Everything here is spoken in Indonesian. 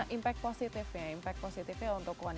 iya nah impact positifnya impact positifnya untuk wanita wanita